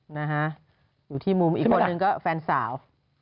นะฮะอยู่ที่มุมอีกคนนึงก็แฟนสาว